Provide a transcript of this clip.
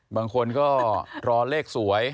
บางคนก็รอเลขสวย